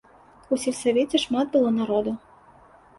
У сельсавеце шмат было народу.